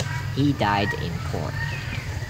He died in Cork.